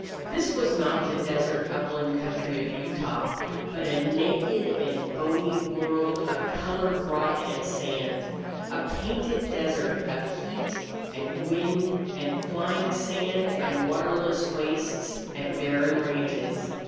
This was not the desert upland country of Utah, but a naked and bony world of colored rock and sand a painted desert of heat and wind and flying sand and waterless wastes and barren ranges.